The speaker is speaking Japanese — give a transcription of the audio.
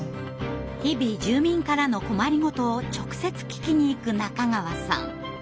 日々住民からの困りごとを直接聞きに行く中川さん。